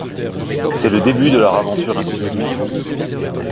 C'est le début de leur aventure industrielle.